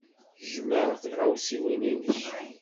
Jmeɛ tiɣawsiwin-nnek.